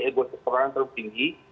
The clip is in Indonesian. ego sektoral yang terlalu tinggi